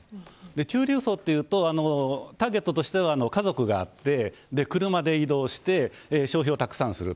中流層というとターゲットとしては家族があって車で移動して消費をたくさんする。